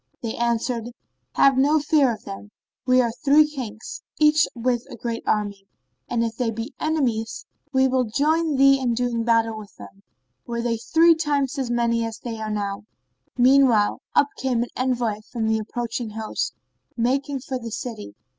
They answered, "Have no fear of them; we are three Kings, each with a great army, and if they be enemies, we will join thee in doing battle with them, were they three times as many as they now are." Meanwhile, up came an envoy from the approaching host, making for the city.